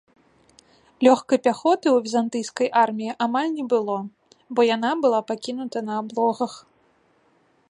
Лёгкай пяхоты ў візантыйскай арміі амаль не было, бо яна была пакінута на аблогах.